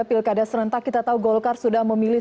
pilkada serentak kita tahu golkar sudah memilih